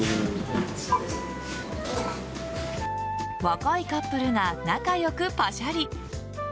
若いカップルが仲良くパシャリ。